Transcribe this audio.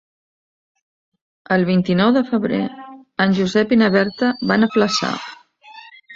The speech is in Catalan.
El vint-i-nou de febrer en Josep i na Berta van a Flaçà.